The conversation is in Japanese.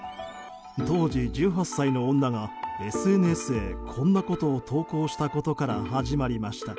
当時１８歳の女がＳＮＳへこんなことを投稿したことから始まりました。